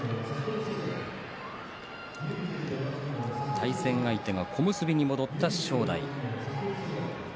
対戦相手が小結に戻った正代。